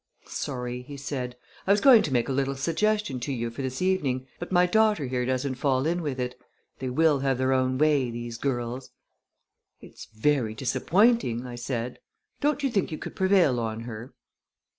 "Sorry," he said. "I was going to make a little suggestion to you for this evening, but my daughter here doesn't fall in with it. They will have their own way these girls." "It's very disappointing!" I said. "Don't you think you could prevail on her?"